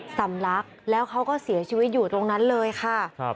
สำลักแล้วเขาก็เสียชีวิตอยู่ตรงนั้นเลยค่ะ